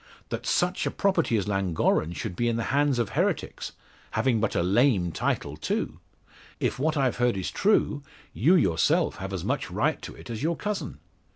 "That such a property as Llangorren should be in the hands of heretics, having but a lame title too. If what I've heard be true, you yourself have as much right to it as your cousin.